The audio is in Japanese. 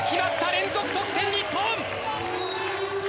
連続得点日本。